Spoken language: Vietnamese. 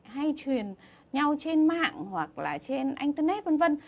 hay truyền nhau trên mạng hoặc là trên internet v v